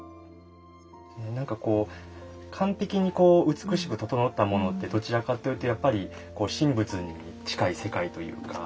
何か完璧にこう美しく整ったものってどちらかというとやっぱり神仏に近い世界というか。